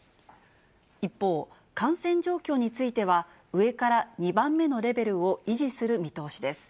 一方、感染状況については、上から２番目のレベルを維持する見通しです。